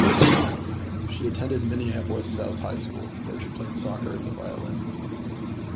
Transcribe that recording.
She attended Minneapolis South High School, where she played soccer and the violin.